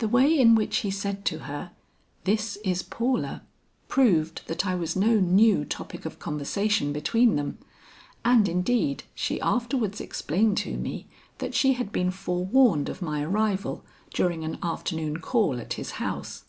The way in which he said to her, 'This is Paula,' proved that I was no new topic of conversation between them, and indeed she afterwards explained to me that she had been forewarned of my arrival during an afternoon call at his house.